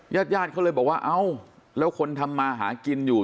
ญาติญาติเขาเลยบอกว่าเอ้าแล้วคนทำมาหากินอยู่